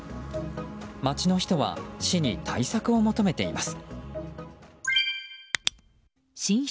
街の人は、市に対策を求めています。